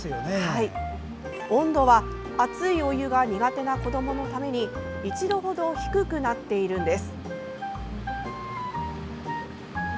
温度は熱いお湯が苦手な子どものために１度程低くなっているんです。